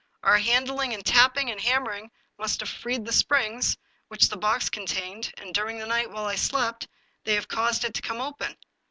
Our handling, and tapping, and hammering must have freed the springs which the box con tained, and during the night, while I slept, they have caused it to come open."